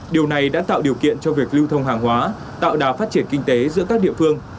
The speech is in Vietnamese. điều này đã tạo điều kiện cho việc lưu thông hàng hóa tạo đà phát triển kinh tế giữa các địa phương